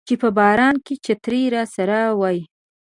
چې په باران کې چترۍ راسره وي